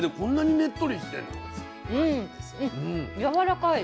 やわらかい。